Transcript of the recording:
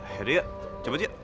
yaudah ya cepet ya